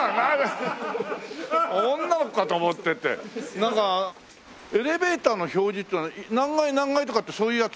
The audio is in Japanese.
なんかエレベーターの表示ってのは何階何階とかってそういうやつ？